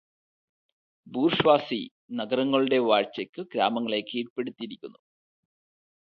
Bourgeoisie നഗരങ്ങളുടെ വാഴ്ചയ്ക്കു് ഗ്രാമങ്ങളെ കീഴ്പ്പെടുത്തിയിരിക്കുന്നു.